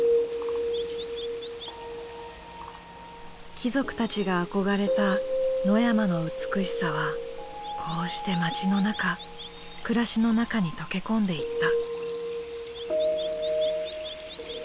貴族たちが憧れた野山の美しさはこうして街の中暮らしの中に溶け込んでいった。